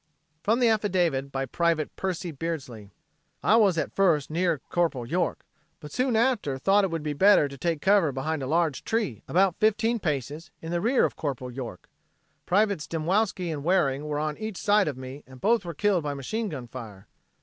From the affidavit by Private Percy Beardsley: "I was at first near Corp. York, but soon after thought it would be better to take to cover behind a large tree about fifteen paces in rear of Corp. York. Privates Dymowski and Waring were on each side of me and both were killed by machine gun fire.